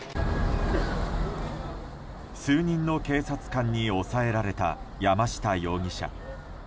数人の警察官に押さえられた山下容疑者。